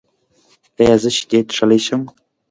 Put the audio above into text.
ایا زه شیدې څښلی شم؟